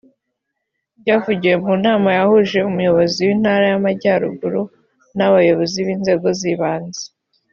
Byavugiwe mu nama yahuje Umuyobozi w’Intara y’Amajyaruguru n’abayobozi b’inzego z’ibanze